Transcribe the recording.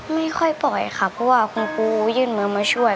ไม่ค่อยปล่อยค่ะเพราะว่าคุณปูยื่นมือมาช่วย